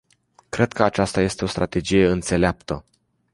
Cred că aceasta este o strategie înțeleaptă.